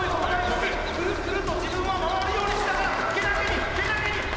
クルックルッと自分は回るようにしながらけなげにけなげに上がっている！